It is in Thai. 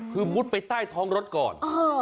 คือมุดไปใต้ท้องรถก่อน